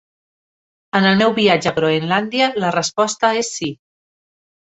En el meu viatge a Groenlàndia, la resposta és sí.